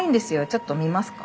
ちょっと見ますか？